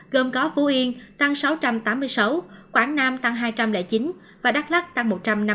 gồm có phú yên tăng sáu trăm tám mươi sáu quảng nam tăng hai trăm linh chín và đắk lắc tăng một trăm năm mươi